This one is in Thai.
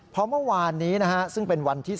เพราะเมื่อวานนี้นะฮะซึ่งเป็นวันที่๒